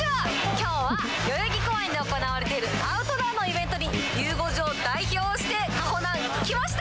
きょうは代々木公園で行われているアウトドアのイベントに、ゆう５時を代表して、かほなん、来ました。